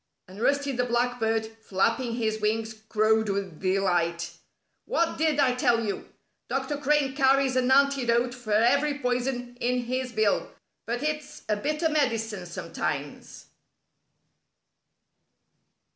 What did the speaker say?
And Rusty the Blackbird, flapping his wings, crowed with delight: "What did I tell you! Dr. Crane carries an antidote for every poison in his bill! But it's a bitter medicine sometimes."